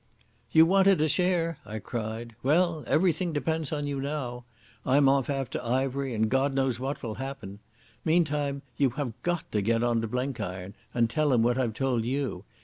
"You wanted a share," I cried. "Well, everything depends on you now. I'm off after Ivery, and God knows what will happen. Meantime, you have got to get on to Blenkiron, and tell him what I've told you.